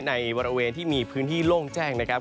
ในบริเวณที่มีพื้นที่โล่งแจ้งนะครับ